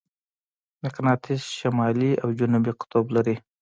مقناطیس شمالي او جنوبي قطب لري.